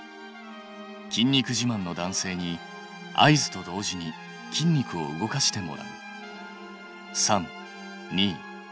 筋肉じまんの男性に合図と同時に筋肉を動かしてもらう。